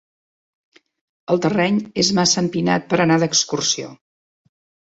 El terreny és massa empinat per anar d'excursió.